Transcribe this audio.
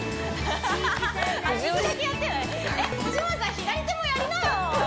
左手もやりなよ